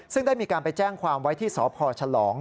ซึ่งได้มีการไปแจ้งความไว้ที่สพฉลอง